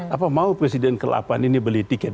apa mau presiden ke delapan ini beli tiket